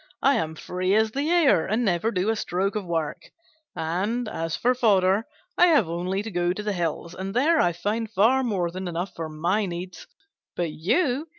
I am free as the air, and never do a stroke of work; and, as for fodder, I have only to go to the hills and there I find far more than enough for my needs. But you!